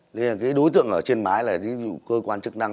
nên là cái đối tượng ở trên máy là ví dụ cơ quan chức năng